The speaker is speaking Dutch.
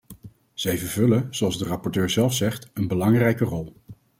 Zij vervullen, zoals de rapporteur zelf zegt, een belangrijke rol.